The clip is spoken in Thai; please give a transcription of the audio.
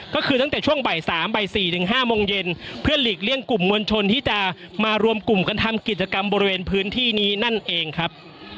ก็คือตั้งแต่ช่วงบ่าย๓บ่าย๔๕โมงเย็นเพื่อหลีกเลี่ยงกลุ่มมวลชนที่จะมารวมกลุ่มกันทำกิจกรรมบริเวณพื้นที่นี้นั่นเองครับ